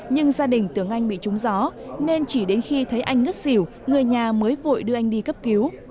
nhưng gia đình tường anh bị trúng gió nên chỉ đến khi thấy anh ngất xỉu người nhà mới vội đưa anh đi cấp cứu